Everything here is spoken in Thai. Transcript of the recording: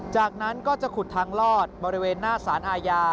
จากนั้นก็จะขุดทางลอดบริเวณหน้าสารอาญา